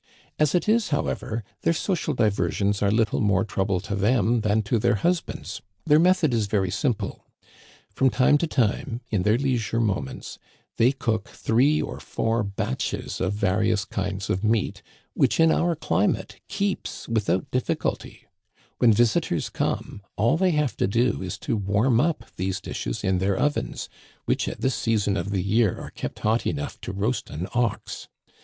As it is, however, their so cial diversions are little more trouble to them than to their husbands. Their method is very simple. From time to time, in their leisure moments, they cook three or four batches of various kinds of meat, which in our climate keeps without difficulty ; when visitors come, all they have to do is to warm up these dishes in their ovens, which at this season of the year are kept hot enough to roast an ox.